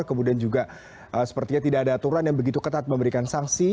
kemudian juga sepertinya tidak ada aturan yang begitu ketat memberikan sanksi